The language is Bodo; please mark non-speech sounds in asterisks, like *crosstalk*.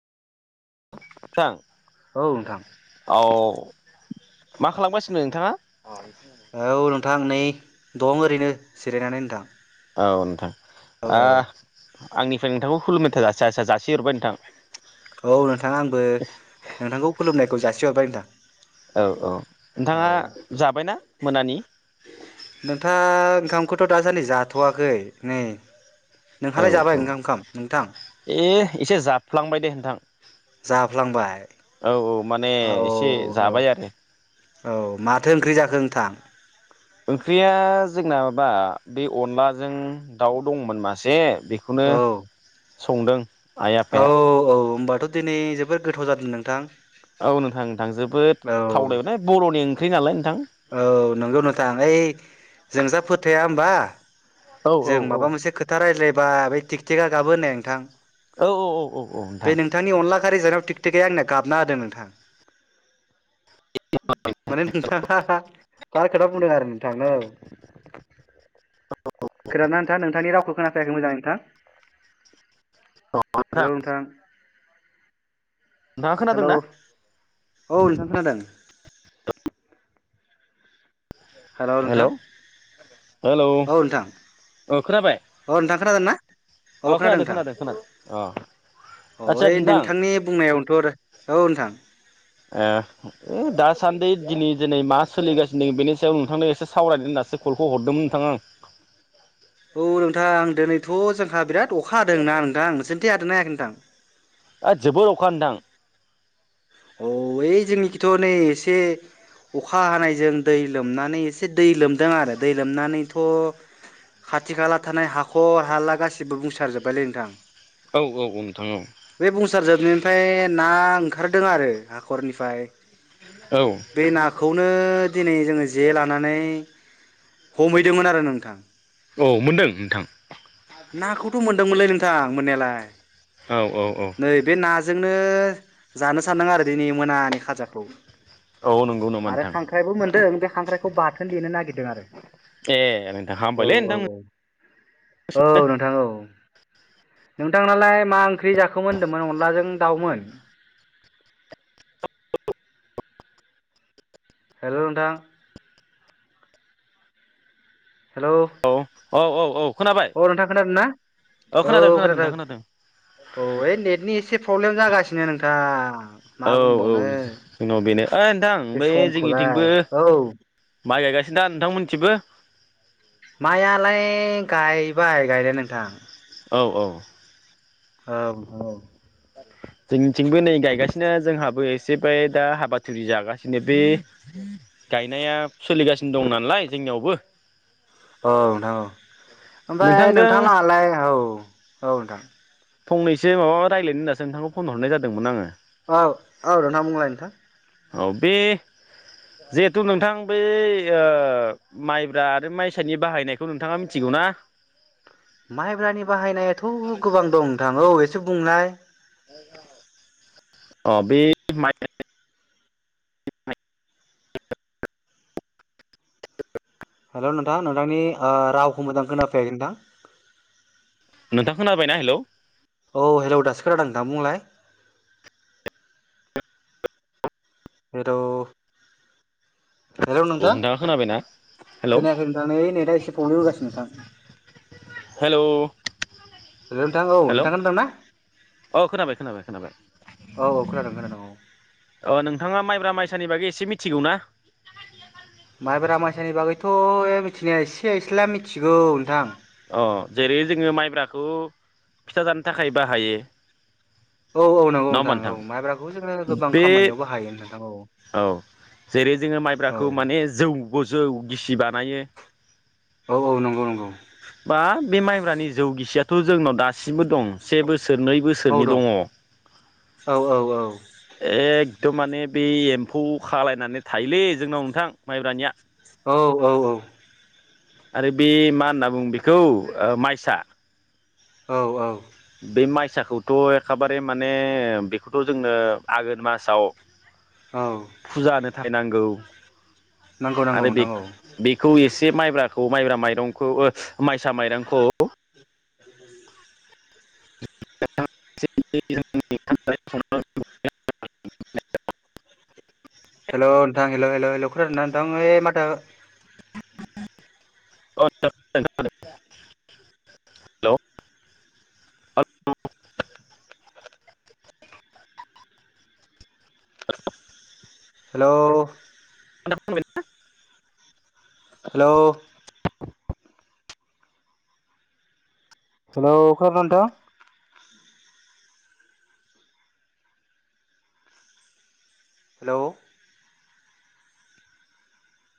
थां औ नोंथां औ मा खालामबाय। नोंथाङा। औ नोंथां नै दं ओरैनो जिरायनानै नोंथां। औ नोंथां। औ आ। आंनिफ्राय नोंथांखौ खुलुमेथाय जास जास जास जासि हरबाय नोंथां। औ नोंथां आंबो नोंथांखौ खुलुमनायखौ जासि सि हरबाय नोथा। औ औ नोंथाङा जाबायना मोनानि। नोंथाङा ओंखामखौथ' दासान नै जाथ'वाखै नै। औ नोंहालाय जाबाय औ ओंखाम ओंखाम नोंथां ए एसे जाफ्लांबाय दे नोंथां जाफ्लांबाय औ औ माने औ एसे औ जाबाय आरो औ माथो ओंख्रि जाखो नोंथां। ओंख्रिया जोंना बा बे अनलाजों दाउ दंमोन मासे। बेखौनो। संदों। आइ औ आफाया औ औ होमबा। थ' दिनै जोबोद गोथाव जादों नोंथां। औ नोंथां नोंथां जोबोद औ थावदोंना बर'नि। ख्रै नालाय। नोंथां औ नोंगौ नोंथां ओइ। जोंजा फोथाया होमबा। औ औ जों औ माबा मोनसे खोथा रायज्लाय बा बै थिक थिकआ गाबो होननाय नोंथां औ औ औ औ बे नोंथां नोंथांनि अनला खारि जानायाव थिग थिकाया आंना गाबना होदों नोंथां। माने नोंथां हा हा थार खोथा बुंदों आरो नोंथां औ। खोना दों ना नोंथा नोंथांनि रावखौ खोनाफैयाखै मोजां नोंथां। हेल' नोंथां। नोंथाङा हेल' औ खोनादोंना नोंथां खोनादों। हेलौ हेलौ औ नोंथां औ खोनाबाय? औ नोंथां खोनादों ना? औ अ खोनादों नोंथां खोनादों खोनादों अ औ आदसा ओइ नोंथांनि बुंनायावनोथ' आरो औ नोंथां ओ ओइ दासान्दि दिनै दिनै मा सोलिगासिनो बेनि सायाव नोंथांनो एसे सावरायदों होनासो कलखौ हरदोंमोन नोंथाङा आं। औ नोंथां दिनैथ' जोंहा बिराद अखा हादोंना नोंथां नोंसोरथिं हादों ना हायाखै? थां ओद जोबोर अखा नोंथां। औ ओइ जोंनिखिथ' नै एसे अखा हानायजों दै लोमनानै एसे दै लोमदों आरो दै लोमनानैथ' खाथि खाला थानाय हाखर हाला गासिबो बुंसारजोब बायलै नोंथां। औ औ नोंथां बे बुंंसार जोबनायनिफ्राय ना ओं दों आरो हाखरनिफाय। औ औ बे नाखौ *unintelligible* दिनै जोङो जे लानानै हमहैदोंमोन आरो नोंथां। औ मोनदों नोंथां? नाखौथ' मोनदोंमोनलै नों थां मोननायालाय औ औ औ। जोंनो जानो सानदों आरो दिनै मोनानि खाजा औ नंगौ नामा *unintelligible* आरो नोंथां खांख्राइबो मोनदों। बे खांख्राइखौ बाथोन देनो नागिरदों आरो। ए नोंथां औ हामबायलै औ औ नोंथां औ नोंथां औ। नोंथांनालाय मा ओंख्रि जाखोमोन होनदोंमोन अनलाजों दाउमोन? हेलौ नोंथां। हेलौ औ औ औ औ खोनाबाय अ नोंथां खोनादोंना? औ खोनादों। औ ओइ नेटनि एसे प्रब्लेम जागासिनो नोंथां। मा औ औ बुंबावनो जोंनाव बेनो ओइ नोंथां बे बै समखौलाय जोंनिथिंबो औ माइ गायगासिनो दा नोंथांमोनथिबो? मायालाय गाय बाय गायनाया नोंथां। औ औ। औ औ। जोंनिथिंबो नै गायगासिनो जोंहाबो एसे बाय दा हाबा थुरि जागासिनो बे गायनाया सोलिगासिनो दं नालाय जोंनियावबो। औ नोंथां औ। ओमफाय नोंथांजों नोंथां लाहालाय औ औ नोंथां। फंनैसो माबा रायज्लायनो होननासो नोंथांनो फन हरनाय जादोंमोन आङो। औ औ दाना बुंलाय नोंथां। औ बे जिहेथु नोंथां बै ओ माइब्रा आरो माइसानि बाहायनायखौ नोंथाङा मिथिगौ ना? माइब्रानि बाहायनायाथ' गोबां दं नोंथां औ एस एसे बुंनाय। अ बे माइ हेलौ नोंथां नोंथांनि ओ रावखौ मोजां खोनाफैयाखै नोंथां। नोंथां खोनाबायना? हेलौ। औ हेलौ दासो खादों नोंथां बुंलाय। हेलौ। हेलौ औ नोंथां नोंथाङा खोनाबायना हेलौ खोनायाखै नोंथां नै नेथा एसे प्रब्लेम होगासिनो नोंथां। हेलौ नोंथां औ हेलौ नोंथां खोनादोंना? अ खोनाबाय खोनाबाय खोनाबाय औ औ खोनादों खोनादों औ। फैसानि बागै एसे मिथिगौ ना? माइब्रा मायसानि बागैथ' थिनाया एसे एस्ला मिथिगौ नोंथां। अ जेरै जोङो माइब्राखौ फिथा जानो थाखाय बाहायो। औ औ नंगौ नङा होमबा नोंथां औ माइब्राखौ जोङो गोबां बे खामानियाव बाहायो नोंथां औ औ। गोजौ गिसिबा। औ औ नंगौ नंगौ। बा बे माइब्रानि जौ गिसियाथ' जोंनाव दासिमबो दं से बोसोर नै औ बोसोरनि दं दङ। औ औ औ एक दम माने बे एम्फौ खालायनानै थायोलै जोंनाव नोंथां माइब्रानिया। औ औ औ आरो बे मा होनना बुं बेखौ ओ माइसा औ औ बे माइसाखौथ' एखेबारे माने बेखौथ' जोंनो आघोन मासाव औ फोथायनांगौ। नांगौ नांगौ आरो बे नोंथां औ बेखौ एसे माइब्राखौ माइब्रा माइ दंखौ ओ माइसा माइरंखौ *unintelligible* *inaudible* हेल' नोंथां हेल' हेल' हेल' खोनादो ना नोंथां ओ माथो *inaudible* हेल' हेल' *inaudible* हेल' हेल' खोनादों नोंथां हेल'